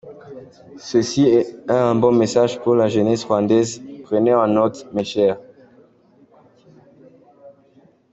Ceci est un bon message pour la Jeunnesse Rdaise, prenez en note mes cheres.